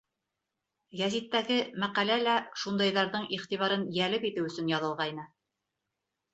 Гәзиттәге мәҡәлә лә шундайҙарҙың иғтибарын йәлеп итеү өсөн яҙылғайны.